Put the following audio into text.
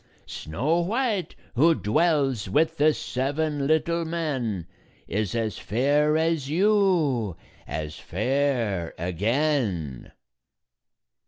Snow White, who dwells with the seven little men, Is as fair as you, as fair again."